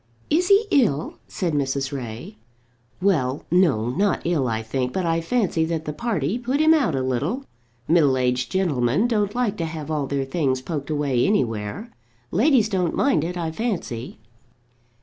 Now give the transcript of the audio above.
"Is he ill?" asked Mrs. Ray. "Well, no; not ill, I think, but I fancy that the party put him out a little. Middle aged gentlemen don't like to have all their things poked away anywhere. Ladies don't mind it, I fancy."